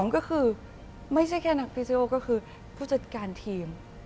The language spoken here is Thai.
ก็คือไม่ใช่แค่นักพิซิโอก็คือผู้จัดการทีม